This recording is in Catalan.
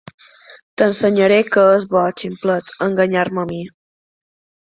T'ensenyaré què és bo, ximplet. Enganyar-me a mi!